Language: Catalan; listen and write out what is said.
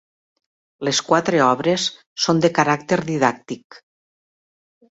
Les quatre obres són de caràcter didàctic.